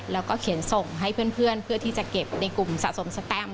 แล้วก็เขียนส่งให้เพื่อนเพื่อที่จะเก็บในกลุ่มสะสมสแตม